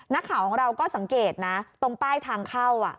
นักข่าวของเราก็สังเกตนะตรงป้ายทางเข้า